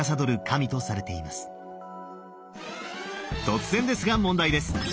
突然ですが問題です！